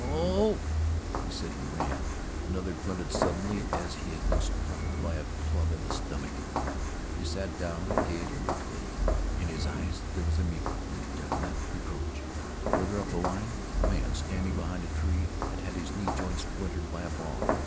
"Oh!" he said, and ran. Another grunted suddenly as if he had been struck by a club in the stomach. He sat down and gazed ruefully. In his eyes there was mute, indefinite reproach. Farther up the line a man, standing behind a tree, had had his knee joint splintered by a ball.